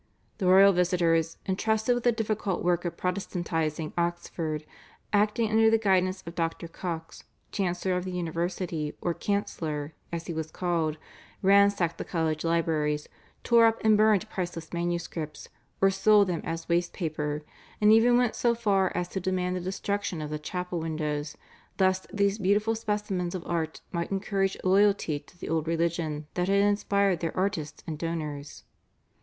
The royal visitors, entrusted with the difficult work of Protestantising Oxford, acting under the guidance of Dr. Cox, chancellor of the University or "cancellor" as he was called, ransacked the college libraries, tore up and burned priceless manuscripts or sold them as waste paper, and even went so far as to demand the destruction of the chapel windows, lest these beautiful specimens of art might encourage loyalty to the old religion that had inspired their artists and donors.